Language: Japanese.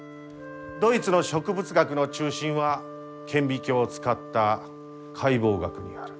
ドイツの植物学の中心は顕微鏡を使った解剖学にある。